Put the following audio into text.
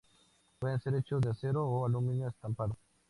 Pueden ser hechos de acero o aluminio estampado.